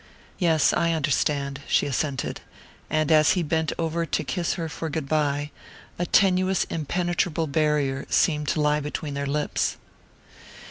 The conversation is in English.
"Yes I understand," she assented; and as he bent over to kiss her for goodbye a tenuous impenetrable barrier seemed to lie between their lips.